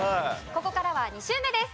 ここからは２周目です。